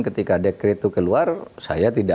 ketika dekret itu keluar saya tidak